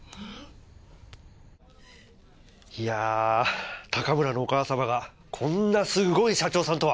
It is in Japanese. いやぁ高村のお母様がこんなすごい社長さんとは。